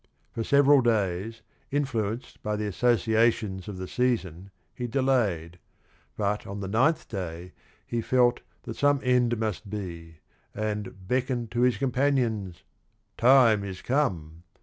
For several days, in fluenced by the associations of the season, he delayed, but on the ninth day he felt that "some end must be," and "beckoned to his com panions: 'Time is come!'"